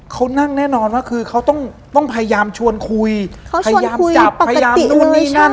เขานั่งแน่นอนว่าคือเขาต้องพยายามชวนคุยพยายามจับพยายามนู่นนี่นั่น